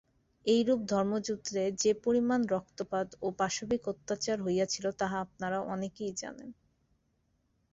এইরূপ ধর্মযুদ্ধে যে-পরিণাম রক্তপাত ও পাশবিক অত্যাচার হইয়াছিল, তাহা আপনারা অনেকেই জানেন।